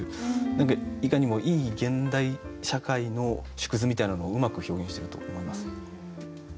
何かいかにもいい現代社会の縮図みたいなのをうまく表現してると思います。